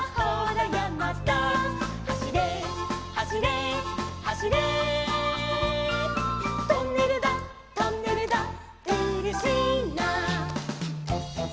「走れ走れ走れ」「トンネルだトンネルだうれしいな」